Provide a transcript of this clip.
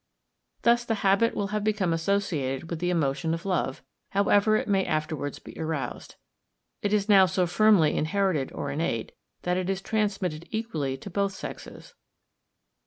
Thus the habit will have become associated with the emotion of love, however it may afterwards be aroused. It is now so firmly inherited or innate, that it is transmitted equally to both sexes.